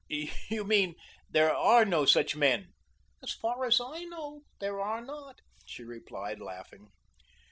"You mean there are no such men?" "As far as I know there are not," she replied, laughing.